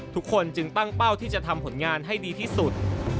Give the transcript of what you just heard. ทุกคนจึงตั้งเป้าที่จะทำผลงานให้ดีที่สุด